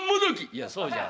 「いやそうじゃない。